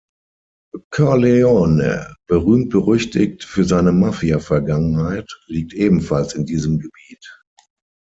Corleone, berühmt-berüchtigt für seine Mafia-Vergangenheit, liegt ebenfalls in diesem Gebiet.